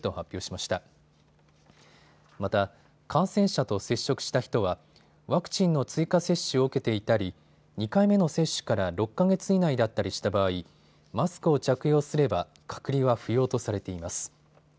また感染者と接触した人はワクチンの追加接種を受けていたり２回目の接種から６か月以内だったりした場合、マスクを着用すれば隔離は不要とされています。